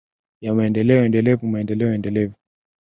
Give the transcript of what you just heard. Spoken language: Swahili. ya maendeleo endelevu maendeleo endelevu